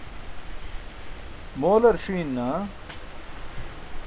moolar ṣiin naa